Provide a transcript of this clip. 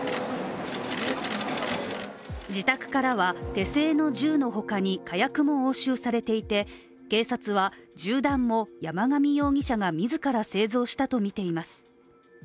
自宅からは手製の銃のほかに火薬も押収されていて警察は銃弾も山上容疑者が自ら製造したとみています。